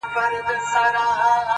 شاعر او شاعره’